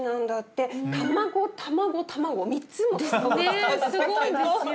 すごいですよ。